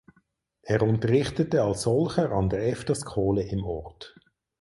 Er unterrichtete als solcher an der Efterskole im Ort.